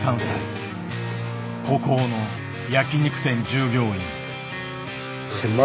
孤高の焼き肉店従業員。